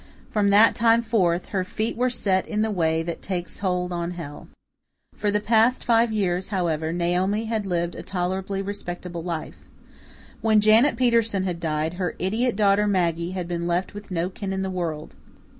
From that time forth, her feet were set in the way that takes hold on hell. For the past five years, however, Naomi had lived a tolerably respectable life. When Janet Peterson had died, her idiot daughter, Maggie, had been left with no kin in the world.